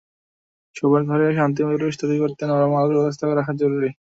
শোবার ঘরে শান্তিময় পরিবেশ তৈরি করতে নরম আলোর ব্যবস্থা রাখা জরুরি।